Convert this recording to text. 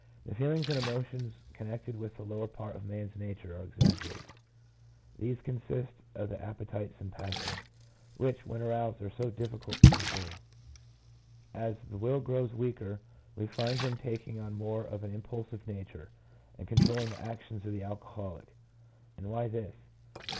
The feelings and emotions connected with the lower part of man's nature are exaggerated ; these consist of the appe tites and passions, which when aroused are so difficult to control. As the will grows weaker we find them taking on more of an impulsive nature, and control ling the actions of the alcoholic. And why this